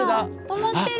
止まってる！